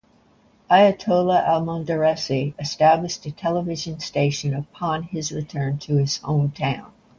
Ayatollah Almodarresi established a television station upon his return to his hometown.